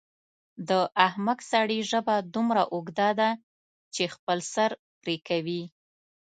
د احمق سړي ژبه دومره اوږده ده چې خپل سر پرې کوي.